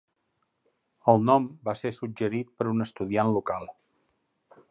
El nom va ser suggerit per un estudiant local.